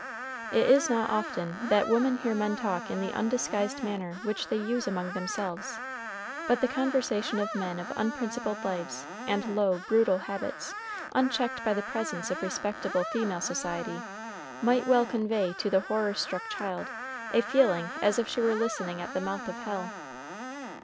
It is not often that women hear men talk in the undisguised manner which they use among themselves; but the conversation of men of unprincipled lives, and low, brutal habits, unchecked by the presence of respectable female society, might well convey to the horror struck child a feeling as if she were listening at the mouth of hell.